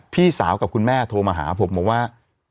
พี่สาวกับคุณแม่โทรมาหาผมบอกว่า